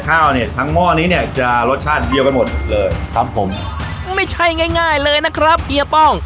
ข้าวเนี่ยทั้งหม้อนี้เนี่ยจะรสชาติเดียวกันหมดเลยครับผมไม่ใช่ง่ายง่ายเลยนะครับเฮียป้อง